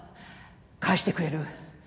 返してくれる？